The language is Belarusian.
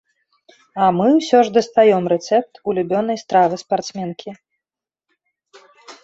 А мы ўсё ж дастаём рэцэпт улюбёнай стравы спартсменкі.